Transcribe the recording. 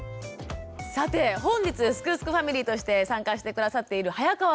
さて本日すくすくファミリーとして参加して下さっている早川さん。